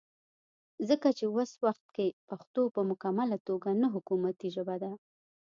ځکه چې وس وخت کې پښتو پۀ مکمله توګه نه حکومتي ژبه ده